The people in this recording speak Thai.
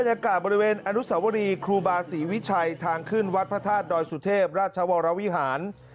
อากาศบริเวณอนุสาวรีครูบาศรีวิชัยทางขึ้นวัดพระธาตุดอยสุเทพราชวรวิหาร